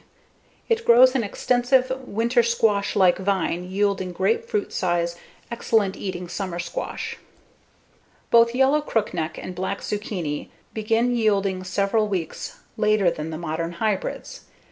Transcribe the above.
It grows an extensive winter squash like vine yielding grapefruit size, excellent eating summer squash. Both Yellow Crookneck and Black Zucchini begin yielding several weeks later than the modern hybrids.